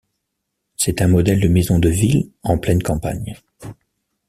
C’est un modèle de maison de ville en pleine campagne.